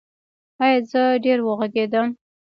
ایا زه ډیر وغږیدم؟